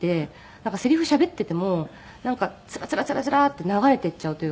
なんかセリフしゃべっていてもなんかつらつらつらつらーって流れていっちゃうというか。